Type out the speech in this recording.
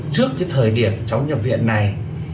trước cái thời điểm cháu nhập viện này